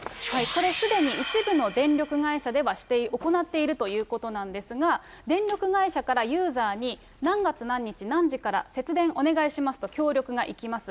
これ、すでに一部の電力会社では行っているということなんですが、電力会社からユーザーに何月何日何時から節電お願いしますと、協力がいきます。